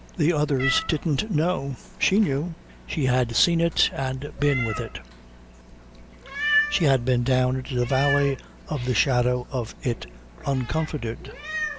The others didn't know. She knew. She had seen it and been with it. She had been down into the valley of the shadow of it uncomforted.